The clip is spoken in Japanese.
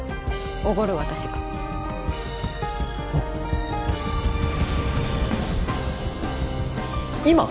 おごる私がおっ今！？